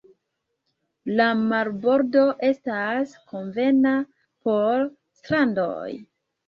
La marbordo estas konvena por strandoj.